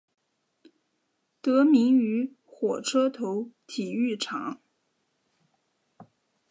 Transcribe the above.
得名于火车头体育场。